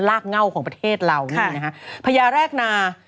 กเง่าของประเทศเรานี่นะฮะพญาแรกนา